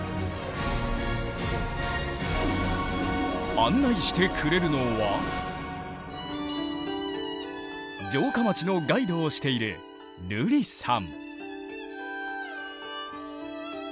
案内してくれるのは城下町のガイドをしている瑠璃さん。